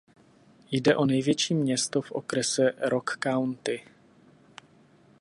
Jde o největší město v okrese Rock County.